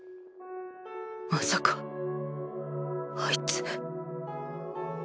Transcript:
まさかあいつ。